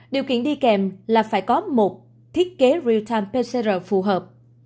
điều kiện đi kèm là phải có một thiết kế real time pcr phù hợp